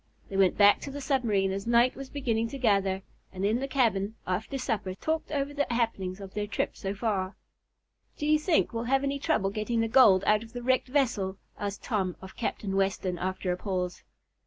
They went back to the submarine as night was beginning to gather, and in the cabin, after supper, talked over the happenings of their trip so far. "Do you think we'll have any trouble getting the gold out of the wrecked vessel?" asked Tom of Captain Weston, after a pause.